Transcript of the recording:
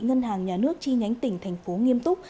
ngân hàng nhà nước chi nhánh tỉnh thành phố nghiêm túc